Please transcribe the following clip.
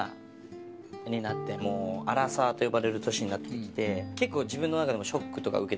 もうアラサーと呼ばれる年になってきて。